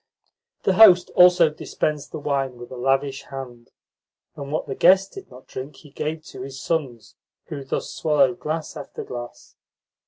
The host also dispensed the wine with a lavish hand, and what the guests did not drink he gave to his sons, who thus swallowed glass after glass.